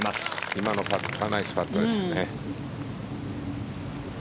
今のパットはナイスパーですよね。